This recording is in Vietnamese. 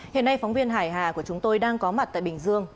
hiện nay phóng viên hải hà của chúng tôi đang có mặt tại bình dương